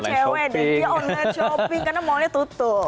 kayaknya semua cewek deh dia online shopping karena maunya tutup